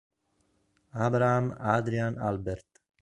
Abraham Adrian Albert